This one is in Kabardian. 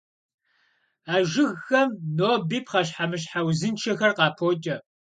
А жыгхэм ноби пхъэщхьэмыщхьэ узыншэхэр къапокӀэ.